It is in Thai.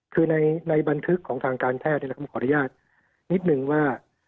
คือในบันทึกของทางการแพทย์ขออนุญาตนิดนึงว่า